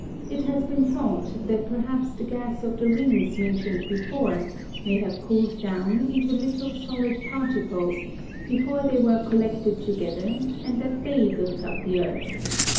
It has been thought that perhaps the gas of the rings mentioned before may have cooled down into little solid particles before they were collected together and that they built up the earth.